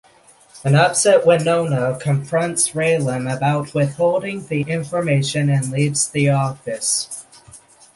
An upset Winona confronts Raylan about withholding the information and leaves the office.